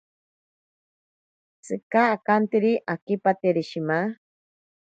Tsika akanteri akipateri shima.